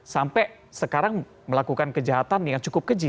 sampai sekarang melakukan kejahatan yang cukup keji